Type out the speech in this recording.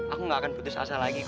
aku nggak akan putus asa lagi kok